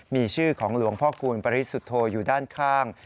มีชื่อของหลวงพ่อคูณปริสุทธโธอยู่ด้านข้าง